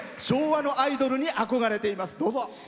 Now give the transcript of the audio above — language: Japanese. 昭和のアイドルに憧れています。